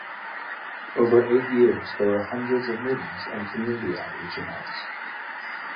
Over eight years, there were hundreds of meetings and community outreach events.